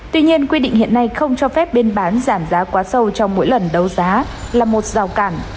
tuy nhiên quy định hiện nay không cho phép bên bán giảm giá quá sâu trong mỗi lần đấu giá là một rào cản